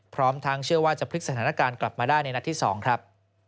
พร้อมทั้งเชื่อว่าจะพลิกสถานการณ์กลับมาได้ในนัดที่๒ครับ